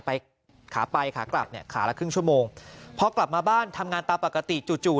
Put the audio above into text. ไปขาไปขากลับเนี่ยขาละครึ่งชั่วโมงพอกลับมาบ้านทำงานตามปกติจู่จู่